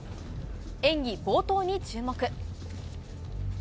演技冒頭に注目。